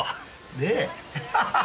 ねえ？